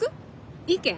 意見？